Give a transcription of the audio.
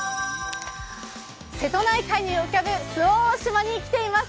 瀬戸内海に浮かぶ周防大島に来ています。